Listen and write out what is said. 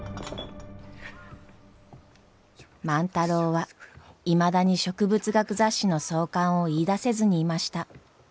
万太郎はいまだに植物学雑誌の創刊を言いだせずにいました。